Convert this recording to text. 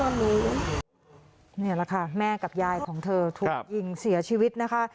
นี่แหละค่ะแม่กับยายของเธอถูกยิงเสียชีวิตนะคะ